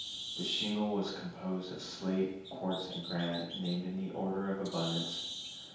The shingle was composed of slate, quartz, and granite, named in the order of abundance.